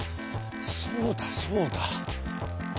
そうだそうだ。